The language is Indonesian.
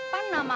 pan nama umi ya